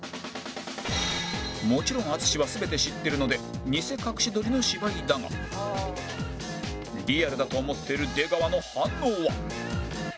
もちろん淳は全て知ってるので偽隠し撮りの芝居だがリアルだと思ってる出川の反応は？